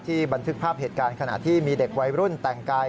บันทึกภาพเหตุการณ์ขณะที่มีเด็กวัยรุ่นแต่งกาย